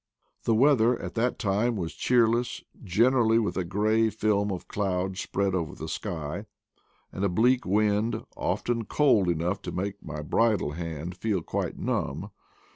The weather at that time was cheerless, generally with a gray film of cloud spread over the sky, and a bleak wind, often cold enough to make my bridle hand feel quite numb.